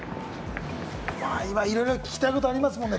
今、いろいろ聞きたいことがありますよね？